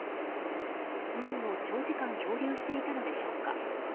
海を長時間漂流していたのでしょうか。